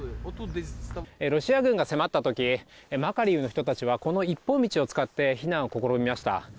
ロシア軍が迫った時マカリウの人たちはこの一本道を使って避難を試みました。